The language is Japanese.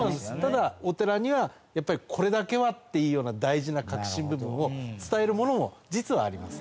ただお寺にはやっぱり「これだけは！」っていうような大事な核心部分を伝えるものも実はあります。